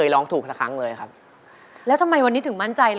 รักทองไทย